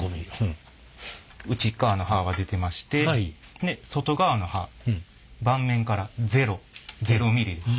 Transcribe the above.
内側の刃が出てましてで外側の刃盤面から００ミリです。